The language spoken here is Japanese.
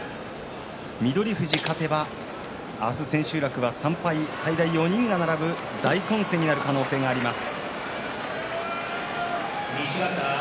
翠富士が勝てば明日千秋楽に４人が並ぶ大混戦になる可能性があります。